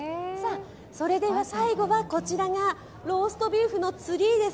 最後はこちらがローストビーフのツリーです。